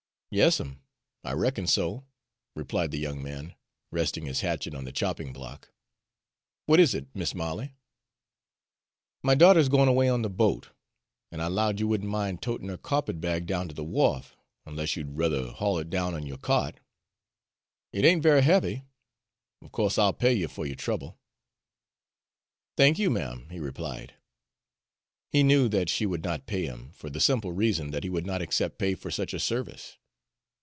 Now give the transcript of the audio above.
"Yas 'm, I reckon so," replied the young man, resting his hatchet on the chopping block. "W'at is it, Mis' Molly?" "My daughter 's goin' away on the boat, an' I 'lowed you would n' min' totin' her kyarpet bag down to the w'arf, onless you'd ruther haul it down on yo'r kyart. It ain't very heavy. Of co'se I'll pay you fer yo'r trouble." "Thank y', ma'm," he replied. He knew that she would not pay him, for the simple reason that he would not accept pay for such a service.